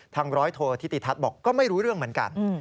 ร้อยโทธิติทัศน์บอกก็ไม่รู้เรื่องเหมือนกัน